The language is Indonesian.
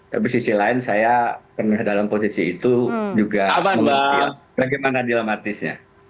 tapi sisi lain saya pernah dalam posisi itu juga bagaimana dilematisnya